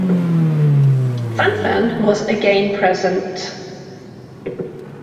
"Fan-Fan" was again present.